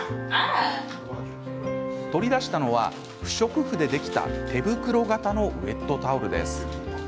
取り出したのは不織布でできた手袋型のウエットタオルです。